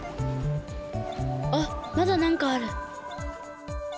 あっまだなんかある。